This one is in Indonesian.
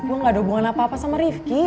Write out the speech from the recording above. gue gak ada hubungan apa apa sama rifki